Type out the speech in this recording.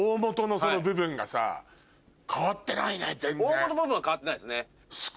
大本の部分は変わってないですね。